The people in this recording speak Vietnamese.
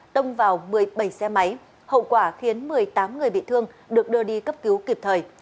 tông vào một mươi bảy xe máy hậu quả khiến một mươi tám người bị thương được đưa đi cấp cứu kịp thời